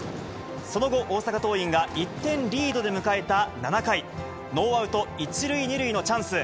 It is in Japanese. その後、大阪桐蔭が１点リードで迎えた７回、ノーアウト１塁２塁のチャンス。